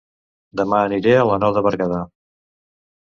Dema aniré a La Nou de Berguedà